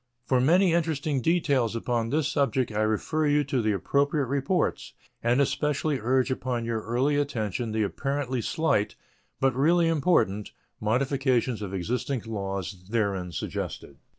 For many interesting details upon this subject I refer you to the appropriate reports, and especially urge upon your early attention the apparently slight, but really important, modifications of existing laws therein suggested.